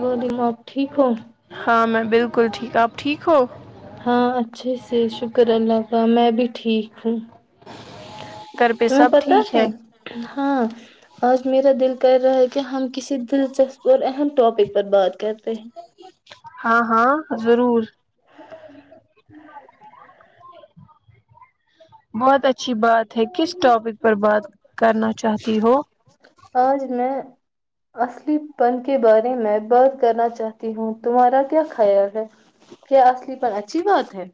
وعلیکم آپ ٹھیک ہو ہاں میں بالکل ٹھیک آپ ٹھیک ہو ہاں اچھے سے شکر اللہ کاال میں بھی ٹھیک ہوں گھر پہ تمہیں سب پت ٹھیک ہے ہاں آج میرا دل کر رہا ہے کہ ہم کسی دلچسپ اور اہم ٹاپک پر بات کرتے ہیں ہاں ہاں ضرور بہت اچھی بات ہے کس ٹاپک پر بات کرنا چاہتی ہو آج میں اصلی پن کے بارے میں بات کرنا چاہتی ہوں تمہارا کیا خیال ہے کیا اصلی پن اچھی بات ہے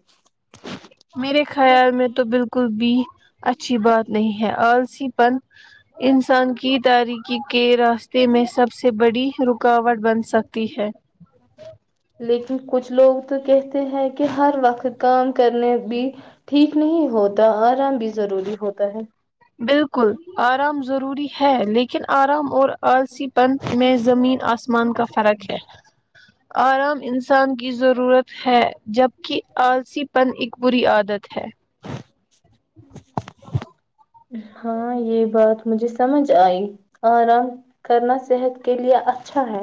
میرے خیال میں تو بالکل بھی اچھی بات نہیں ہے آلسی پن انسان کی تاریکی کے راستے رتے میں سب سے بڑی رکاوٹ بن سکتی ہے لیکن کچھ لوگ تو کہتے ہیں کہ ہر وقت کام کرنے بھی ٹھیک نہیں ہوتا آرام بھی ضروری ہوتا ہے بالکل آرام ضروری ہے لیکن آرام اور آلسی پن میں زمین آسمان کا فرق ہے آرام انسان کی ضرورت ہے جبکہ آلسی پن ایک بری عادت ہے [inaudible] ہاں یہ بات مجھے سمجھ آئی آرام کرنا صحت کے لیے اچھا ہے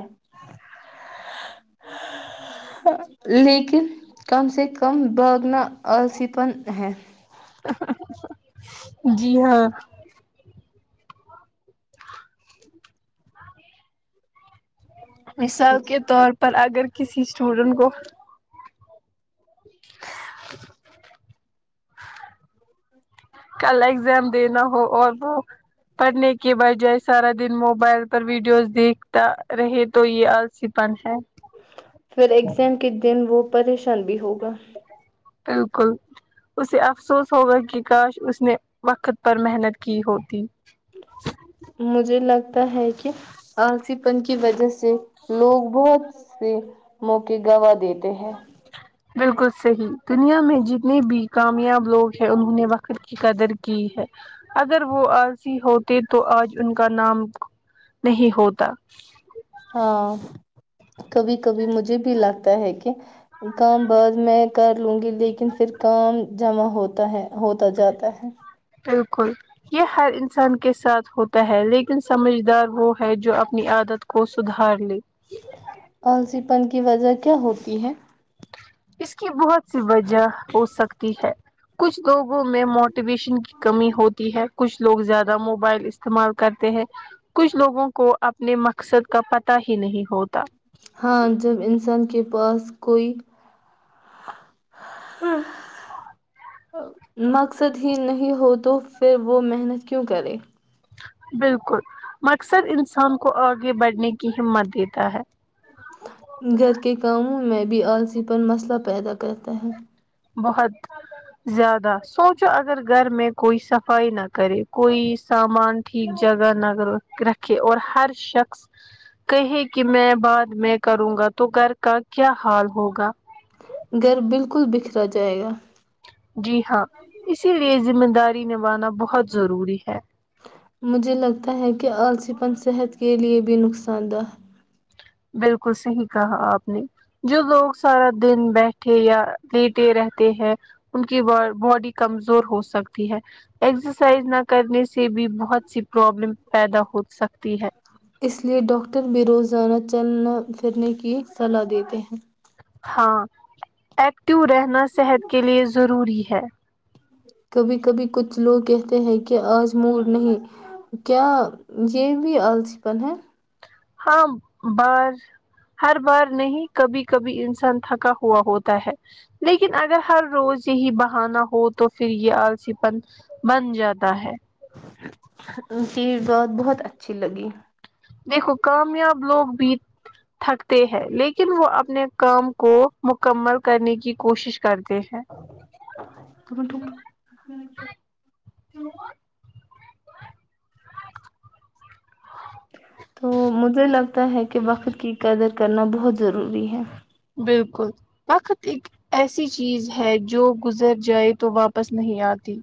لیکن کم سے کم بھاگنا اسیپن ہے جی ہاں مثال کے طور پر اگر کسی اسٹوڈینٹ کو کل اگزام دینا ہو اور وہ پڑھنے کے بجائے سارا دن موبائل پر ویڈیوز دیکھتا رہے تو یہ آلسی پن ہے پھر ایگزام کے دن وہ پریشان بھی ہوگ واہ بالکل اسے افسوس ہوگا کہ کاش اس نے وقت پر محنت کی ہوتی مجھے لگتا ہے کہ آلسی پن کی وجہ سے لوگ بہت سے موقعے گواہ دیتے ہیں بالکل صحیح دنیا میں جتنے بھی کامیاب لوگ ہیں انہوں نے وقت کی قدر کی ہے اگر وہ عضی ہوتے تو آج ان کا نام نہیں ہوتا ہاں کبھی کبھی مجھے بھی لگتا ہے کہ کام بعد میں کر لوں گی لیکن پھر کام جمع ہوتا ہے ہوتا جاتا ہے بالکل یہ ہر انسان کے ساتھ ہوتا ہے لیکن سمجھدار وہ ہے جو اپنی عادت کو سدھار لے آلسی پن کی وجہ کیا ہوتی ہے اس کی بہت سی وجہ ہو سکتی ہے کچھ لوگوں میں موٹیویشن کی کمی ہوتی ہے کچھ لوگ زیادہ موبائل استعمال کرتے ہیں کچھ لوگوں کو اپنے مقصد کا پتہ ہی نہیں ہوتا ہاں جب انسان کے پاس کوئی مقصد ہی نہیں ہو تو پھر وہ محنت کیوں کرے بالکل مقصد انسان کو آگے بڑھنے کی ہمت دیتا ہے گھر کے کاموں میں بھی آلسی پرن مسئلہ پیدا کرتا ہے بہت زیادہ سوچو اگر گھر میں کوئی صفائی نہ کرے کوئی سامان ٹھیک جگہ نہ رکھے اور ہر شخص کہے کہ میں بعد میں کروں گا تو گھر کا کیا حال ہوگا گھر بالکل بکھرا جائے گا جی ہاں اسی لیے زم داری نبانا مجھے لگتا ہے کہ آسی پن صحت کے لیے بھی نقصان دہ بالکل صحیح کہا آپ نے جو لوگ سارا دن بیٹھے یا لیٹے رہتے ہیں ان کی باڈی کمزور ہو سکتی ہے ایکسرسائز نہ کرنے سے بھی بہت سی پرابلم پیدا ہو سکتی ہے ہے، اس لیے ڈاکٹر بھی روزانہ چلنا پھرنے کی صلاح دیتے ہیں ہاں ایکٹو رہنا صحت کے لیے ضروری ہے کبھی کبھی کچھ لوگ کہتے ہیں کہ آج موڈ نہیں کیا یہ بھی آلسی پن ہے ہاں بار ہر بار نہیں کبھی کبھی انسان تھکا ہوا ہوتا ہے لیکن اگر ہر روز یہی بہانا ہو تو پھر یہ آلسی پن بن جاتا ہے ان کییز بات بہت اچھی لگی دیکھو کامیاب لوگ بھی تھکتے ہیں لیکن وہ اپنے کام کو مکمل کرنے کی کوشش کرتے ہیں کنک تو مجھے لگتا ہے کہ وقت کی قدر کرنا بہت ضروری ہے بالکل وقت ایک ایسی چیز ہے جو گزر جائے تو واپس نہیں آتی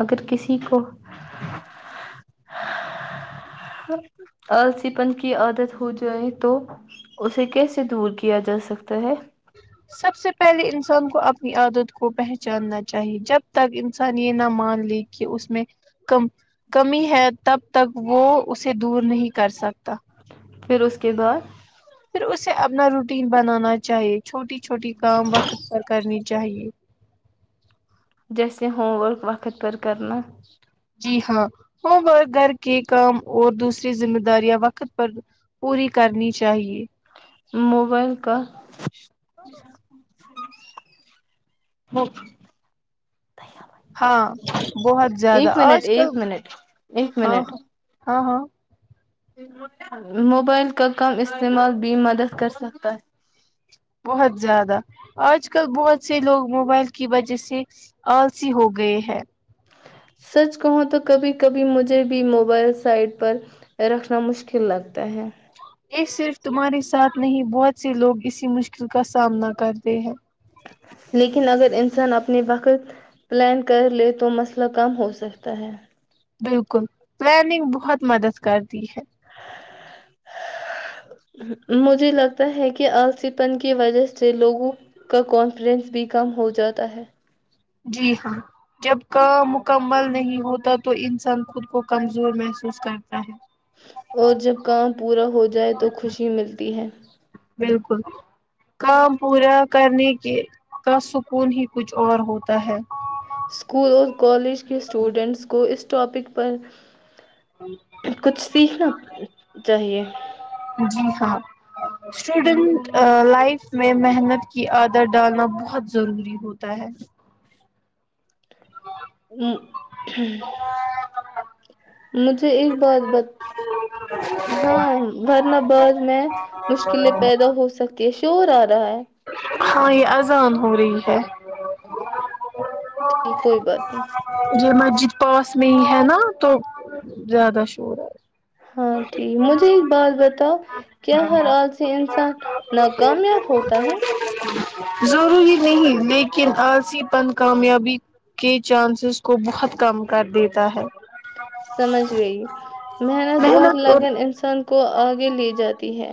اگر کسی کو آلسی پن کی عادت ہو جائے تو اسے کیسے دور کیا جا سکتا ہے سب سے پہلے انسان کو اپنی عادت کو پہچاننا چاہیے جب تک انسان یہ نہ مان لے کہ اس میں کم کمی ہے تب تک وہ اسے دور نہیں کر سکتے کتا پھر اس کے بعد پھر اسے اپنا روٹین بنانا چاہیے چھوٹی چھوٹی کام وقت پر کرنی چاہیے سے ہووم ورک وقت پر کرنا جی ہاں ہوم ورک گھر کے کام اور دوسری ذمہ داریاں وقت پر پوری کرنی چاہیے موبائل کا م ہاں بہت زیادہ ایک آج منٹ کل ایک منٹ ایک ہاں منٹ ہاں ہاں ہاں موبائل کا کم استعمال بھی مدد کرسکتا ہے بہت زیادہ آج کل بہت سے لوگ موبائل کی وجہ سے آلسی ہو گئے ہیں سچ کہو تو کبھی کبھی مجھے بھی موبائل سائٹ پر رکھنا مشکل لگتا ہے یہ صرف تمہاری ساتھ میں ہی بہت سے لوگ اسی مشکل کا سامنا کرتے ہیں لیکن اگر انسان اپنے وقت پلان کر لے تو مسئلہ کم ہو سکتا ہے بالکل پلاننگ بہت مدد کرتی ہے مجھے لگتا ہے کہ آسیپن کی وجہ سے لوگوں کا کانفڈنس بھی کم ہو جاتا ہے جی ہاں جب کام مکمل نہیں ہوتا تو انسان خود کو کمزور محسوس کرتا ہے اور جب کام پورا ہو جائے تو خوشی ملتی ہے ہی بالکل کام پورا کرنے کے کا سکون ہی کچھ اور ہوتا ہے اسکول اور کالج کے اسٹوڈنٹس کو اس ٹاپک پر کچھ سیکھنا چاہیے اسوڈنٹ لائف میں محنت کی عادر ڈالنا بہت ضروری ہوتا ہے مجھے ایک بات ہاں ورنہ بعض میں مشکلیں پیدا ہو سکتی ہے چور آ رہا ہے ہاں یہ اذان ہو رہی ہے یک کوئی بات نہیں یہ مسجد پاس میں ہی ہے نا تو زیادہ شور ہے ہاں ٹھیک مجھے ایک بات بتاؤ کیا ہر آال سے انسان ناکامیاب ہوتا ہے ضروری نہیں لیکن آالسی پن کامیابی کے چانسز کو بہت کم کر دیتا ہے سمجھ گئی محنت ا لگان انسان کو آگے لی جاتی ہے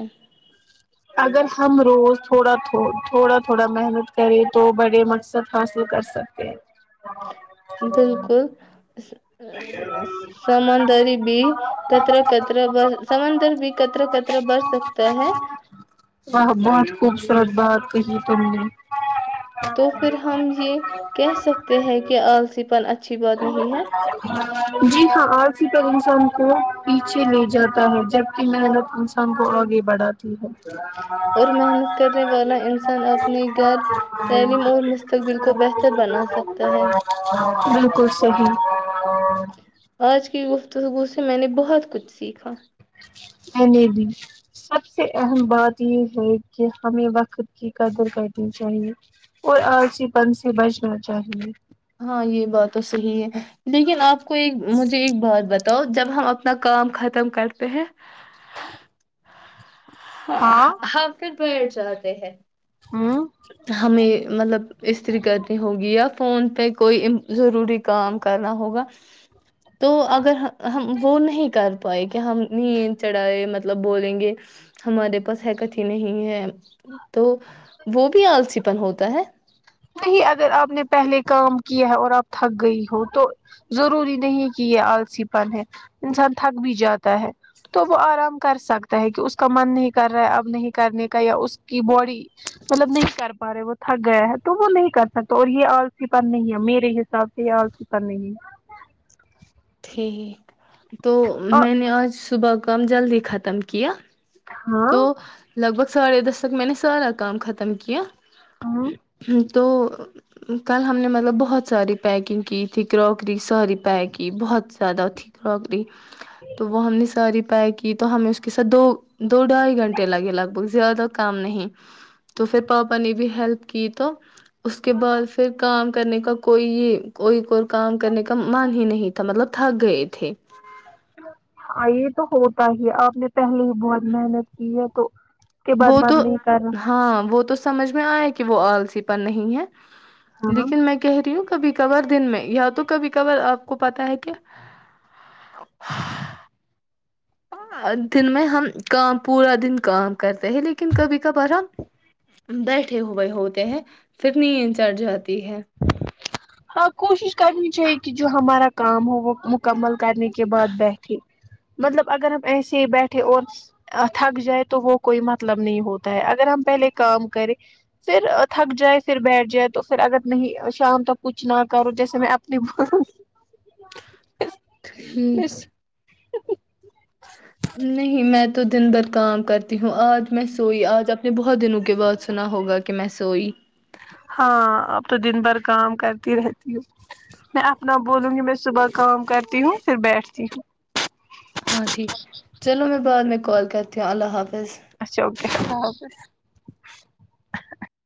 اگر ہم روز تھڑا تھوڑا تھوڑا محنت کریں تو بڑے مقصد حاصل کر سکتے ہیں بالکل سمندری بھی کترا کطرا ب سمندر بھی کطرا کطرا برھ سکتا ہے رت بات کہی تم نے تو پھر ہم یہ کہہ سکتے ہیں کہ آلسی پن اچھا جی ہاں اور اسی پر انسان کو پیچھے لے جاتا ہے جبک محنت انسان کو آگے بڑھاتی ہے اور محنت کرنے والا انسان اپنے گھر تعلیم اور مستقبل کو بہتر بنا سکتا ہے جی کچ ص ہی آج کی توب سے میں نے بہت کچھ سیکھا کہنے بھی سب سے اہم بات یہ ہے کہ ہمیں وقت کی قدر کرنی چاہیے اور آلسی پن سے بچنا چاہیے ہاں یہ بات تو صحیح ہے لیکن آپ کو ایک مجھے ایک بات بتا تو جب ہم اپنا کام ختم کرتے ہیں [inaudible] ہ ہاں ہ پ پٹ جاتے ہیں ہوں ہمیں مطلب استریح کرنی ہوگی یا فون پ کوئی ضروری کام کرنا ہوگا تو اگر ہم وہ نہیں کر پائے کہ ہم ند چڑھائے مطلب بولیں گے ہمارے پاس ہے کتھی نہیں ہے تو وہ بھی آلسی پن ہوتا ہے نہیں اگر آپ نے پہلے کام کیا ہے اور آپ تھک گئی ہو تو ضروری نہیں کہ یہ آلسی پن ہے انسان تھک بھی جاتا ہے تو وہ آرام کر سکتا ہے کہ اس کا من نہیں کر رہا ہے اب نہیں کرنے کا یا اس کی باڈی مطلب نہیں کر پا رہے وہ تھک گیا ہے تو وہ نہیں کر سکتا اور یہ آلسی پن نہیں ہے میرے حساب سے یہ آلسی پرن نہیں ہے ٹھیک تو اور میں نے آج صبح کام جلدی ختم کی ہاں تو لگ بھگ ساڑھے دس تک میں نے سارا کام ختم کیا ہاں تو کل ہم نے مطلب بہت ساری پیکنگ کی تھی کراکری ساری پیک کی بہت زیادہ تھی کراکری تو وہ ہم نے ساری پیک کی تو ہمیں اس کے ساتھ دو دو ڈھائی گھنٹے لگے لگ بھگ زیادہ کام نہیں تو پھر پاپا نے بھی ہیلپ کی تو اس کے بعد پھر کام کرنے کا کوئی کوئی اور کام کرنے کا من ہی نہیں تھا مطلب تھک گئے تھے ہاں یہ تو ہوتا ہی آپ نے پہلے ہی بہت محنت کی ہے تو کے وہ بعد تو من نہیں کر رہا ہاں وہ تو سمجھ میں آئے گی کہ وہ آلسی پرن نہیں ہے ہاں لیکن میں کہہ رہی ہوں ب کور دن میں یا تو کاب کبور آپ کو پتا ہے کیا دن میں ہم کام پورا دن کام کرتے ہیں لیکن کبھی کبھار ہم بیٹھے ہوئے ہوتے ہیں پھر نیند چڑ جاتی ہے ہاں کوشش کرنی چاہیے کہ جو ہمارا کام ہو وہ مکمل کرنے کے بعد بیٹھے مطلب اگر ہم ایسے ہی بیٹھے اور تھک جائے تو وہ کوئی مطلب نہیں ہوتا ہے اگر ہم پہلے کام کریں پھر تھک جائے پھر بیٹھ جائے تو پھر اگر نہیں شام تک کچھ نہ کرو جیسے میں اپنی تٹھھی نہیں میں تو دن بھر کام کرتی ہوں آج میں سوئی آج آپ نے بہت دنوں کے بعد سنا ہوگا کہ میں سوئی ہاں اب تو دن بھر کام کرتی رہتی ہوں میں اپنا بولوں گی میں صبح کام کرتی ہوں پھر بیٹھتی ہوں ہاں ٹھیک چلو میں بعد میں کال کرتی ہوں اللہ حافظ اچھا اوکے السلامظ